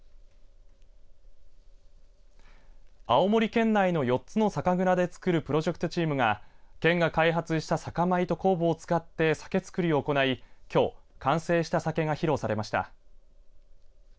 青森県内の４つの酒蔵で作るプロジェクトチームが県が開発した酒米と工房を使って酒造りを行いきょう完成した酒が披露されました。